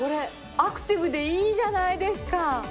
アクティブでいいじゃないですか。